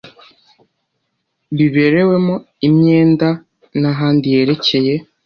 biberewemo imyenda n ahandi yerekeye